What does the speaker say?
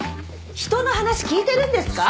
人の話聞いてるんですか！？